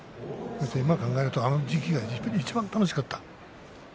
今考えるとあの時期がいちばん楽しかった。